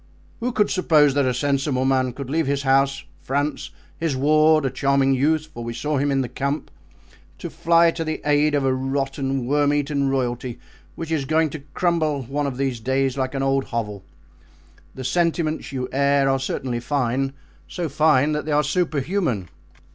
Who could suppose that a sensible man could leave his house, France, his ward—a charming youth, for we saw him in the camp—to fly to the aid of a rotten, worm eaten royalty, which is going to crumble one of these days like an old hovel. The sentiments you air are certainly fine, so fine that they are superhuman."